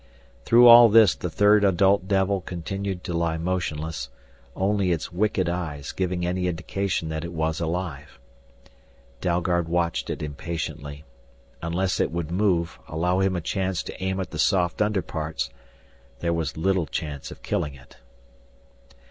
Through all of this the third adult devil continued to lie motionless, only its wicked eyes giving any indication that it was alive. Dalgard watched it impatiently. Unless it would move, allow him a chance to aim at the soft underparts, there was little chance of killing it.